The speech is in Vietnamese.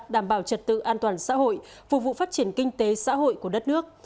đảm bảo trật tự an toàn xã hội phục vụ phát triển kinh tế xã hội của đất nước